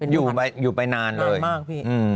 อยู่ไปนานเลยมากพี่